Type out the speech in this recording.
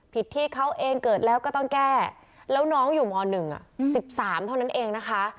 ที่เขาเองเกิดแล้วก็ต้องแก้แล้วน้องอยู่ม๑๑๓เท่านั้นเองนะคะ